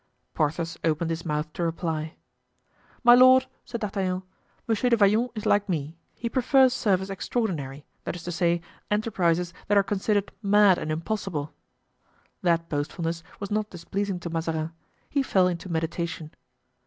Porthos opened his mouth to reply. "My lord," said D'Artagnan, "Monsieur de Vallon is like me, he prefers service extraordinary—that is to say, enterprises that are considered mad and impossible." That boastfulness was not displeasing to Mazarin; he fell into meditation.